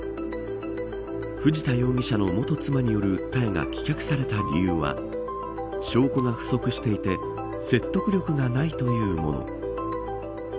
藤田容疑者の元妻による訴えが棄却された理由は証拠が不足していて説得力がないというもの。